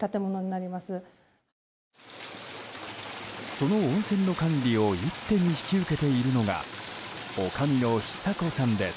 その温泉の管理を一手に引き受けているのがおかみの央子さんです。